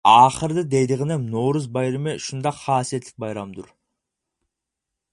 ئاخىرىدا دەيدىغىنىم نورۇز بايرىمى شۇنداق خاسىيەتلىك بايرامدۇر!